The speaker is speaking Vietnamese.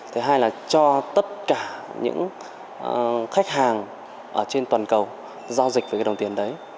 thứ hai là cho tất cả những khách hàng trên toàn cầu giao dịch với cái đồng tiền đấy